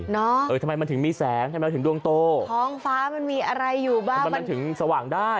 เออทำไมมันถึงมีแสงทำไมถึงดวงโตท้องฟ้ามันมีอะไรอยู่บ้างมันถึงสว่างได้